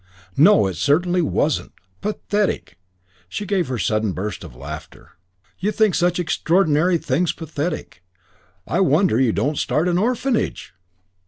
"No, it certainly wasn't. Pathetic!" She gave her sudden burst of laughter. "You think such extraordinary things pathetic; I wonder you don't start an orphanage!"